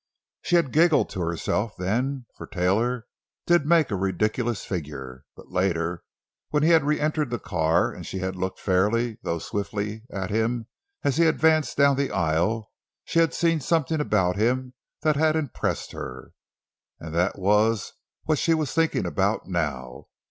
She had giggled to herself, then. For Taylor did make a ridiculous figure. But later—when he had reentered the car and she had looked fairly, though swiftly, at him as he advanced down the aisle—she had seen something about him that had impressed her. And that was what she was thinking about now.